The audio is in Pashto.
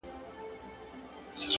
په تورو سترگو کي کمال د زلفو مه راوله _